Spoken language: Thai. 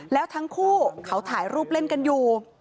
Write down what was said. แล้วทั้งคู่เขาถ่ายรูปเล่นกันอยู่